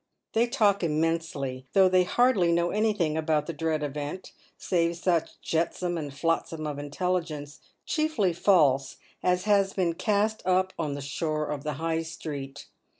They talk immensely, though they hardly know anything about the dread event, save such jetsam and flotsam of intelligence, chiefly false, as has been cast up on the shore of the High Street.